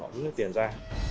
họ rút hết tiền ra